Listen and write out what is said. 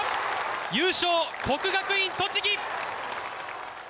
優勝は国学院栃木！